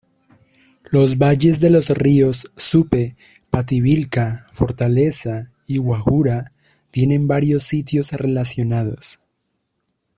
Los valles de los ríos Supe, Pativilca, Fortaleza y Huaura tienen varios sitios relacionados.